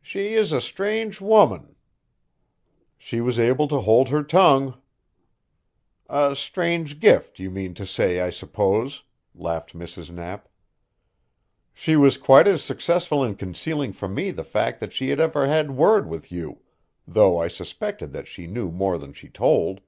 "She is a strange woman." "She was able to hold her tongue." "A strange gift, you mean to say, I suppose," laughed Mrs. Knapp. "She was quite as successful in concealing from me the fact that she had ever had word with you, though I suspected that she knew more than she told."